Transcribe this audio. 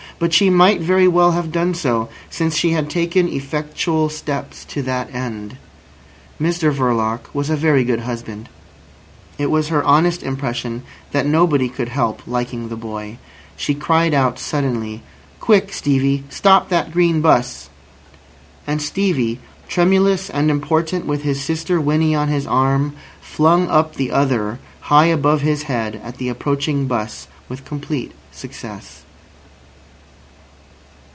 But she might very well have done so, since she had taken effectual steps to that end. Mr Verloc was a very good husband. It was her honest impression that nobody could help liking the boy. She cried out suddenly: "Quick, Stevie. Stop that green 'bus." And Stevie, tremulous and important with his sister Winnie on his arm, flung up the other high above his head at the approaching 'bus, with complete success.